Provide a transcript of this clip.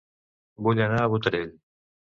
Vull anar a Botarell